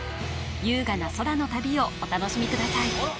優雅な空の旅をお楽しみください